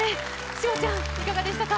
しもちゃん、いかがでしたか？